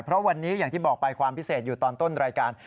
เพราะวันนี้อย่างที่บอกไปความพิเศษอยู่ตอนต้นรายการ